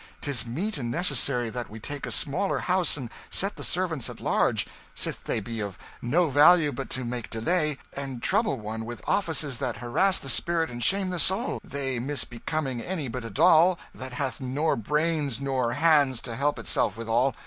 'Tis meet and necessary that we take a smaller house and set the servants at large, sith they be of no value but to make delay, and trouble one with offices that harass the spirit and shame the soul, they misbecoming any but a doll, that hath nor brains nor hands to help itself withal.